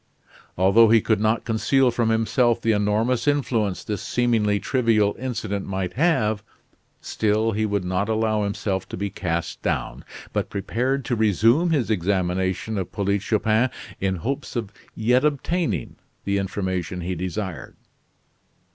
Although he could not conceal from himself the enormous influence this seemingly trivial incident might have, still he would not allow himself to be cast down, but prepared to resume his examination of Polyte Chupin in hopes of yet obtaining the information he desired.